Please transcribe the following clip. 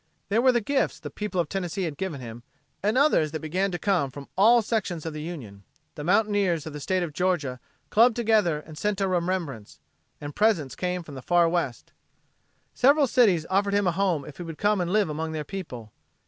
There were the gifts the people of Tennessee had given him, and others that began to come from all sections of the Union. The mountaineers of the State of Georgia clubbed together and sent a remembrance and presents came from the far West. Several cities offered him a home if he would come to live among their people.